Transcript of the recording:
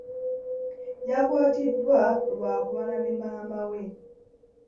Yakwatiddwa lwa kulwana ne maama we.